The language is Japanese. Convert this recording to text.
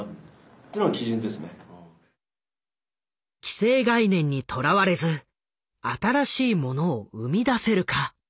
既成概念にとらわれず新しいものを生み出せるか。